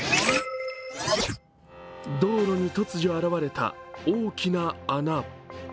道路に突如現れた大きな穴。